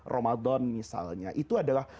ramadan misalnya itu adalah